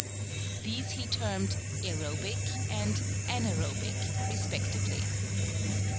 These he termed ærobic and anærobic respectively.